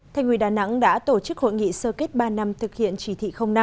thành quỳ đà nẵng đã tổ chức hội nghị sơ kết ba năm thực hiện chỉ thị năm